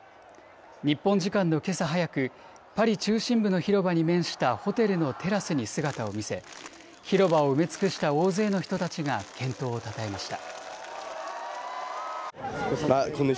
日本時間のけさ早くパリ中心部の広場に面したホテルのテラスに姿を見せ広場を埋め尽くした大勢の人たちが健闘をたたえました。